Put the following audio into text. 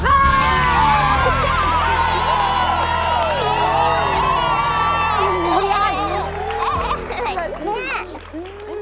ถูกข้อนี้คือ๑๐๐๐๐บาทนะครับ